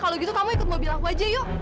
kalau gitu kamu ikut mobil aku aja yuk